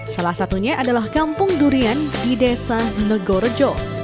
salah satunya adalah kampung durian di desa negorejo